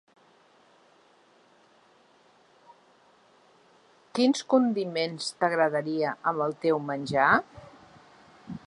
Quins condiments t'agradaria amb el teu menjar?